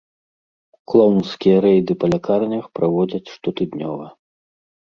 Клоўнскія рэйды па лякарнях праводзяць штотыднёва.